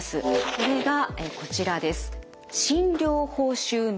それがこちらです。